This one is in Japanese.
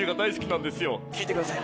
聴いてください